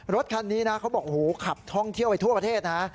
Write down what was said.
รถคันนี้นะเขาบอกขับท่องเที่ยวไปทั่วประเทศนะ